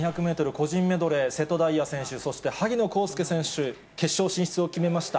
個人メドレー、瀬戸大也選手、萩野公介選手、決勝進出を決めました。